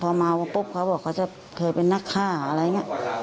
พอเมาปุ๊บเขาบอกเขาจะเคยเป็นนักฆ่าอะไรอย่างนี้